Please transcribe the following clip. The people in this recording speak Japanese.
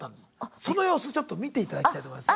その様子ちょっと見ていただきたいと思います。